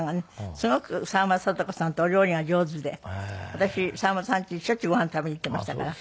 すごく沢村貞子さんってお料理が上手で私沢村さんちにしょっちゅうごはん食べに行ってましたから。